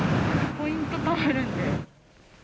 ポイントたまるんで。